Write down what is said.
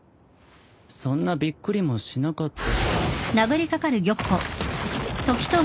そんなびっくりもしなかった。